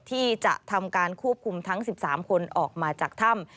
ที่จะทำการควบคุมทั้ง๑๓คนออกมาจากถ้ำ